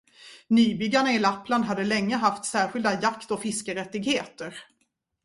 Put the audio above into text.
Nybyggarna i Lappland hade länge haft särskilda jakt- och fiskerättigheter.